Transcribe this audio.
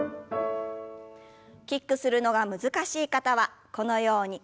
キックするのが難しい方はこのように。